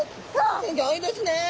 すギョいですね！